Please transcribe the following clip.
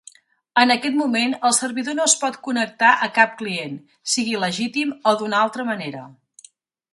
En aquest moment, el servidor no es pot connectar a cap client, sigui legítim o d'una altra manera.